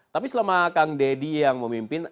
tapi selama kang deddy yang memimpin